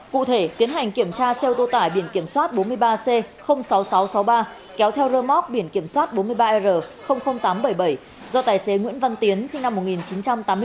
cụ thể tiến hành kiểm tra xe ô tô tải biển kiểm soát bốn mươi ba c sáu nghìn sáu trăm sáu mươi ba kéo theo rơ móc biển kiểm soát bốn mươi ba r tám trăm bảy mươi bảy do tài xế nguyễn văn tiến sinh năm một nghìn chín trăm tám mươi bốn